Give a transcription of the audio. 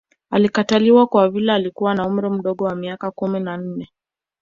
Alikataliwa kwa vile alikuwa na umri mdogo wa miaka kumi na nne